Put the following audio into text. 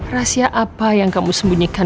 rahasia apa yang kamu sembunyikan